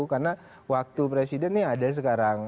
karena waktu presiden ini ada sekarang